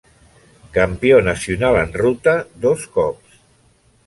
Campió nacional en ruta dos cops.